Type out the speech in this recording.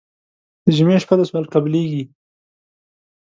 د جمعې شپه ده سوال قبلېږي.